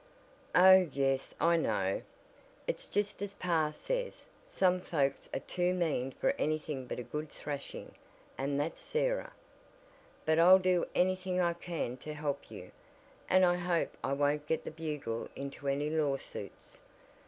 "Oh yes, I know. It's just as pa says: some folks are too mean for anything but a good thrashing and that's Sarah. But I'll do anything I can to help you, and I hope I won't get the Bugle into any lawsuits."